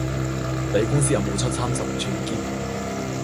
你公司有冇出三十吋喼？